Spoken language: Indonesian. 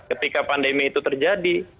ketika pandemi itu terjadi